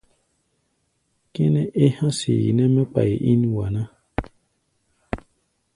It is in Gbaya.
Kʼɛ́nɛ́ é há̧ seeʼnɛ́ mɛ́ kpai ín wa ná.